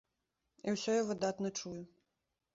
І ўсё я выдатна чую.